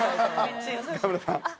川村さん。